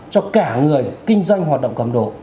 cho cả người kinh doanh hoạt động cầm đồ